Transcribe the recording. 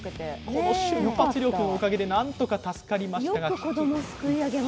この瞬発力のおかげでなんとか助かりましたが。